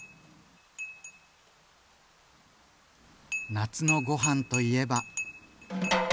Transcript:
夏のご飯といえば。